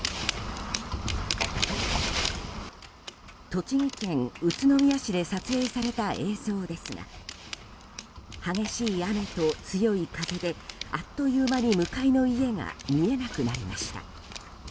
栃木県宇都宮市で撮影された映像ですが激しい雨と強い風であっという間に向かいの家が見えなくなりました。